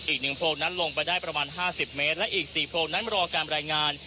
อีกหนึ่งโครงนั้นลงไปได้ประมาณห้าสิบเมตรและอีกสี่โครงนั้นมารอการรายงาน